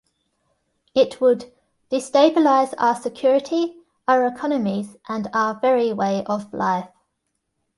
It would "destabilize our security, our economies, and our very way of life".